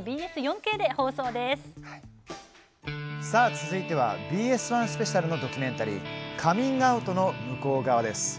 続いてはＢＳ１スペシャルのドキュメンタリー「カミングアウトの向こう側」です。